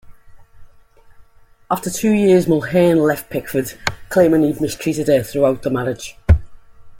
After two years Mulhern left Pickford, claiming he had mistreated her throughout the marriage.